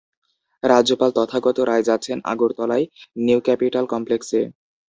রাজ্যপাল তথাগত রায় যাচ্ছেন আগরতলায় নিউক্যাপিটাল কমপ্লেক্সে।